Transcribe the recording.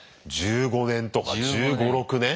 １５年とか１５１６年？